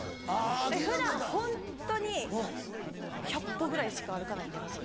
普段ホントに１００歩ぐらいしか歩かないんでわし。